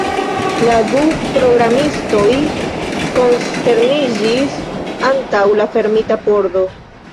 La du programistoj konsterniĝis antaŭ la fermita pordo.